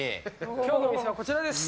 今日の店はこちらです。